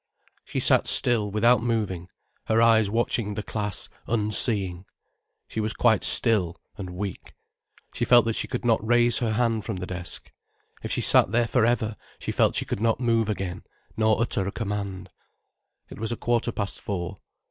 She sat still without moving, her eyes watching the class, unseeing. She was quite still, and weak. She felt that she could not raise her hand from the desk. If she sat there for ever, she felt she could not move again, nor utter a command. It was a quarter past four.